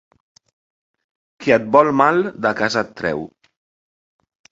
Qui et vol mal de casa et treu.